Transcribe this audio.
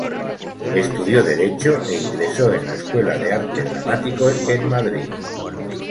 Estudió Derecho e ingresó en la Escuela de Arte Dramático en Madrid.